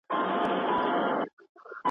په نيمه شپه يې چيلم ډک کړ